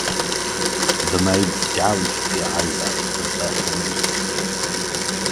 The maids gouged the eyes out with their fingers.